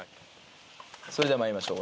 それでは参りましょう。